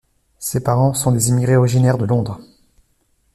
Ses parents sont des immigrés originaires de Londres.